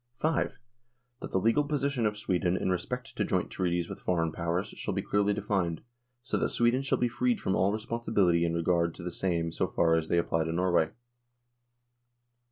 V. That the legal position of Sweden in respect to Joint Treaties with Foreign Powers shall be clearly defined, so that Sweden shall be freed from all responsibility in regard to the same so far as they apply to Norway.